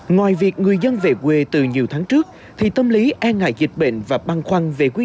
ngoài việc người dân về quê từ nhiều tháng trước thì tâm lý e ngại dịch bệnh và băng khoăn về quy